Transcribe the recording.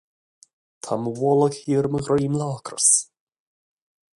Tá mo bholg thiar i mo dhroim le hocras.